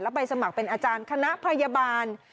ไปสมัครเป็นอาจารย์คณะพยาบาล